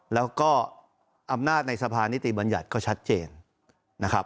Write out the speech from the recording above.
แล้วก็อำนาจในสภานิติบัญญัติก็ชัดเจนนะครับ